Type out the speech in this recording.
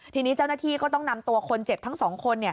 ทีนี้เจ้าหน้าที่ก็ต้องนำตัวคนเจ็บทั้ง๒คน